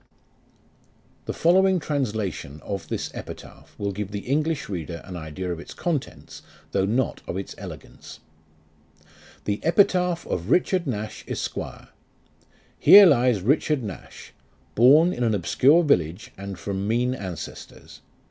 The following translation of this Epitaph will give the English reader an idea of its contents, though not of its elegance : THE EPITAPH OF BICHARD NASH, ESQ. Here lies RICHARD NASH, Born in an obscure village, And from mean ancestors.